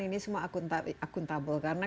ini semua akuntabel karena